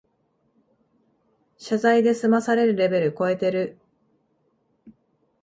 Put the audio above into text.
謝罪で済まされるレベルこえてる